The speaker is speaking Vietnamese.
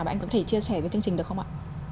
và anh có thể chia sẻ với chương trình được không ạ